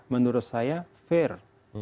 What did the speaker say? menurut saya fair